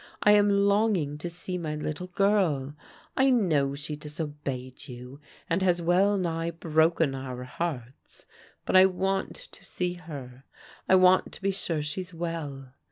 I am longing to see my little prL I know she disobeyed you, and has well nigh broken our hearts, but I want to see her. I want to be sure she's well.